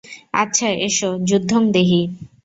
আচ্ছা এসো, যুদ্ধং দেহি!